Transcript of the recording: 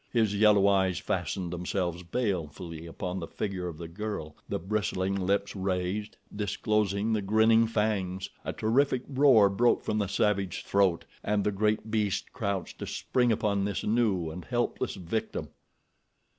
His yellow eyes fastened themselves balefully upon the figure of the girl, the bristling lips raised, disclosing the grinning fangs. A terrific roar broke from the savage throat, and the great beast crouched to spring upon this new and helpless victim.